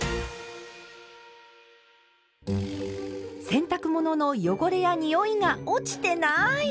洗濯物の汚れやにおいが落ちてない！